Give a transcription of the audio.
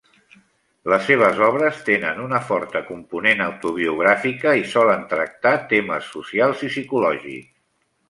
Les seves obres tenen una forta component autobiogràfica i solen tractar temes socials i psicològics.